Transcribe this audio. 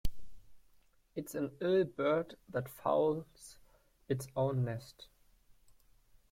It's an ill bird that fouls its own nest.